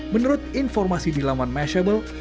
menurut informasi di laman massable